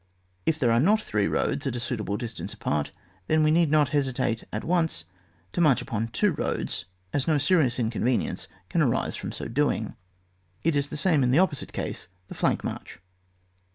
If there are not three roads at a suitable distance apart, then we need not hesitate at once to march upon two roads, as no serious inconvenience can arise from so doing. It is the same in the opposite case, the flank march.